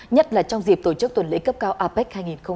nhất là trong dịp tổ chức tuần lễ cấp cao apec hai nghìn một mươi bảy